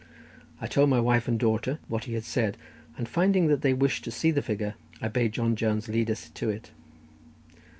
I told my wife and daughter what he had said, and finding that they wished to see the figure, I bade John Jones lead us to it.